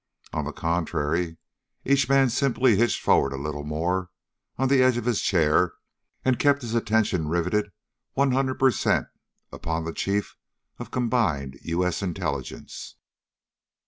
On the contrary, each man simply hitched forward a little more on the edge of his chair, and kept his attention riveted one hundred per cent upon the Chief of Combined U.S. Intelligence.